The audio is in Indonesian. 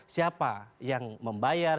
siapa yang membayar